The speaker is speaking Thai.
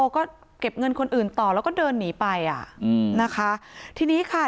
ก็เก็บเงินคนอื่นต่อแล้วก็เดินหนีไปน่ะทีนี้ค่ะทีมข่าวของเรา